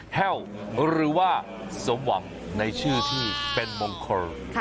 แห้วหรือว่าสมหวังในชื่อที่เป็นมงคล